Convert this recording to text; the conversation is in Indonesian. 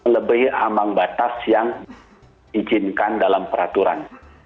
lebih ambang batas yang diizinkan dalam peraturan